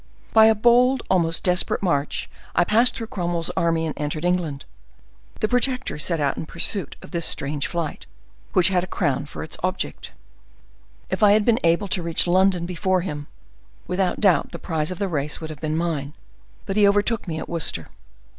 "By a bold, almost desperate march, I passed through Cromwell's army, and entered England. The Protector set out in pursuit of this strange flight, which had a crown for its object. If I had been able to reach London before him, without doubt the prize of the race would have been mine; but he overtook me at Worcester.